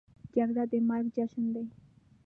جګړه د مرګ جشن دی